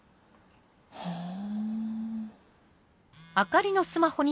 ふん。